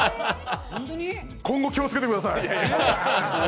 今後、気をつけてください。